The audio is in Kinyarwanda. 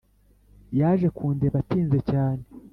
Yaje kundeba atinze cyane